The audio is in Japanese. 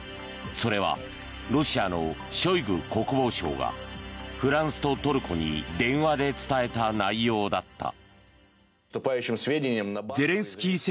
それはロシアのショイグ国防相がフランスとトルコに電話で伝えた内容だった。